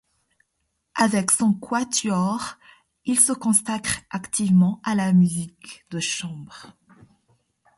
Avec son quatuor, il se consacre activement à la musique de chambre.